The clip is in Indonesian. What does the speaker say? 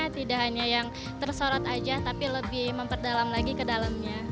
tidak hanya yang tersorot aja tapi lebih memperdalam lagi ke dalamnya